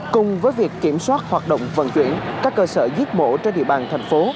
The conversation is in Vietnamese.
cùng với việc kiểm soát hoạt động vận chuyển các cơ sở giết mổ trên địa bàn thành phố